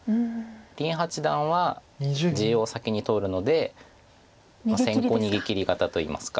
林八段は地を先に取るので先行逃げきり型といいますか。